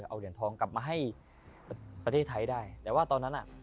เอาเหรียญทองกลับมาให้ประเทศไทยได้แต่ว่าตอนนั้นอ่ะ